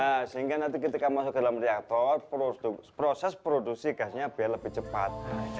nah sehingga nanti ketika masuk dalam reaktor proses produksi gasnya biar lebih cepat